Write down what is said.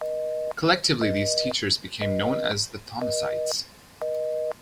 Collectively, these teachers became known as the Thomasites.